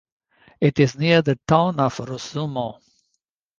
It is near the town of Rusumo.